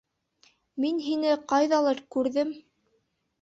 Мин һине ҡайҙалыр күрҙем.